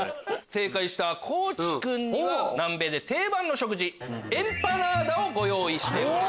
正解した地君には南米で定番の食事エンパナーダをご用意しております。